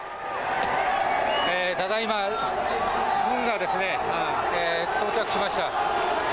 ただいま、軍が到着しました。